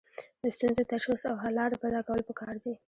د ستونزو تشخیص او حل لاره پیدا کول پکار دي.